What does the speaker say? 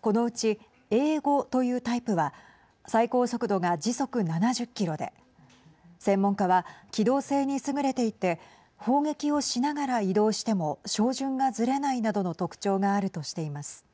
このうち、Ａ５というタイプは最高速度が時速７０キロで専門家は機動性に優れていて砲撃をしながら移動しても照準がずれないなどの特徴があるとしています。